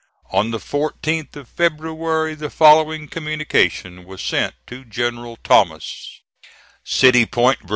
On the 14th of February the following communication was sent to General Thomas: "CITY POINT, VA.